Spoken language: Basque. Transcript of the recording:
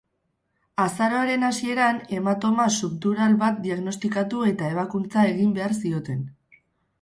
Azaroaren hasieran, hematoma subdural bat diagnostikatu eta ebakuntza egin behar zioten.